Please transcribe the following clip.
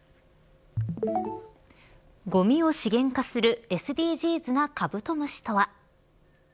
ごみを資源化するＳＤＧｓなカブトムシとは。